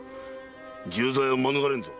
重罪は免れぬぞ。